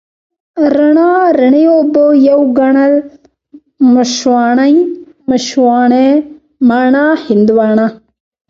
رڼا، رڼې اوبه، يو ګڼل، مشواڼۍ، مشواڼې، مڼه، هندواڼه،